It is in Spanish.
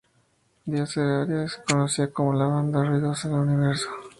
Disaster Area se conocía como la banda más ruidosa en el universo.